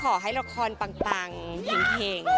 ขอให้ละครปังเห็ง